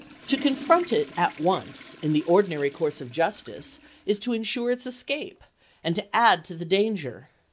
To confront it at once, in the ordinary course of justice, is to insure its escape, and to add to the danger.